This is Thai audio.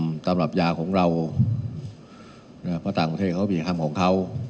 สำหรับยาของเรานะครับเพราะต่างประเทศเขามีคำของเขา